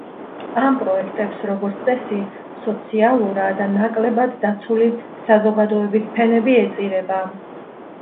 ამ პროექტებს, როგორც წესი, სოციალურად ნაკლებად დაცული საზოგადოების ფენები ეწირება.